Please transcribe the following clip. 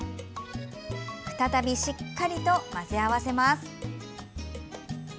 再び、しっかりと混ぜ合わせます。